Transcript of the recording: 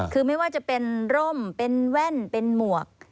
คือไม่ว่าจะเป็นโร่มแว่นหมวก